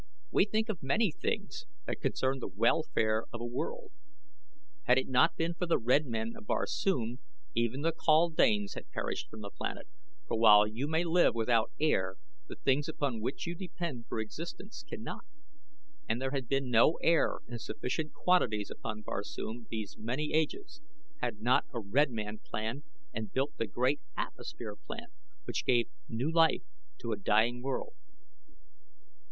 We think of many things that concern the welfare of a world. Had it not been for the red men of Barsoom even the kaldanes had perished from the planet, for while you may live without air the things upon which you depend for existence cannot, and there had been no air in sufficient quantities upon Barsoom these many ages had not a red man planned and built the great atmosphere plant which gave new life to a dying world.